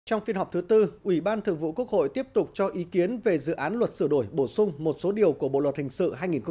trong phiên họp thứ tư ủy ban thường vụ quốc hội tiếp tục cho ý kiến về dự án luật sửa đổi bổ sung một số điều của bộ luật hình sự hai nghìn một mươi năm